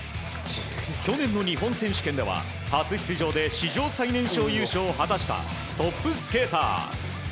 去年の日本選手権では初出場で史上最年少優勝を果たしたトップスケーター。